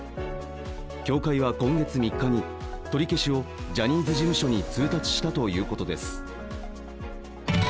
協会は、今月３日に取り消しをジャニーズ事務所に通達したということです。